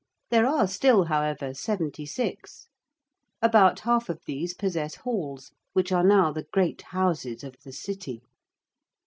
There are still, however, 76. About half of these possess Halls which are now the Great Houses of the City.